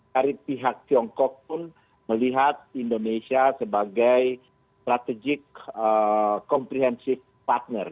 dari pihak tiongkok pun melihat indonesia sebagai strategic comprehensive partner